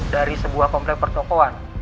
dari sebuah komplek pertokohan